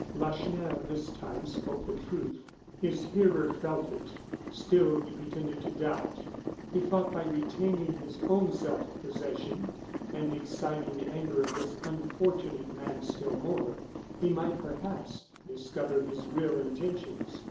Lacheneur, this time, spoke the truth. His hearer felt it; still he pretended to doubt. He thought by retaining his own self possession, and exciting the anger of this unfortunate man still more, he might, perhaps, discover his real intentions.